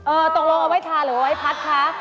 เออตรงรองเอาไว้ทาหรือไว้พัดคะ